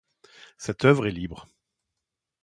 Cette oeuvre est libre.